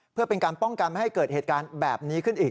เพื่อเป็นการป้องกันไม่ให้เกิดเหตุการณ์แบบนี้ขึ้นอีก